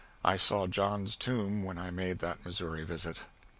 I saw John's tomb when I made that Missouri visit.